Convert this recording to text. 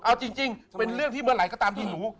เอาจริงเป็นเรื่องที่เมื่อไหร่ก็ตามที่รู้